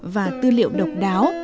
và tư liệu độc đáo